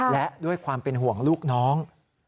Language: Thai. และด้วยความเป็นห่วงลูกน้อง